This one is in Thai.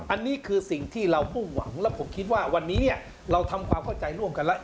อันนี้คือสิ่งที่เรามุ่งหวังและผมคิดว่าวันนี้เราทำความเข้าใจร่วมกันแล้ว